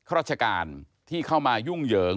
ราชการที่เข้ามายุ่งเหยิง